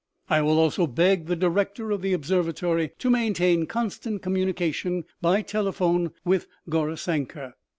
I will also beg the director of the observatory to maintain constant communication, by tele phone, with Gaurisankar.